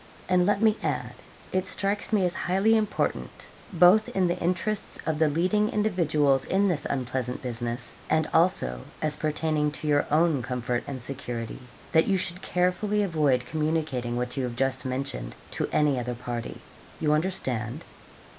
And let me add, it strikes me as highly important, both in the interests of the leading individuals in this unpleasant business, and also as pertaining to your own comfort and security, that you should carefully avoid communicating what you have just mentioned to any other party. You understand?'